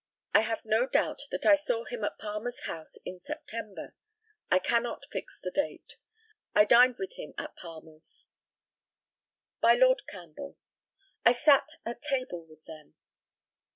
I have no doubt that I saw him at Palmer's house in September. I cannot fix the date. I dined with him at Palmer's. By Lord CAMPBELL: I sat at table with them.